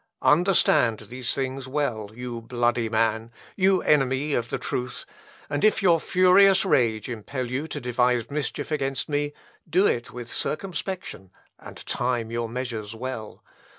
Understand these things well, you bloody man, you enemy of the truth; and if your furious rage impel you to devise mischief against me, do it with circumspection, and time your measures well.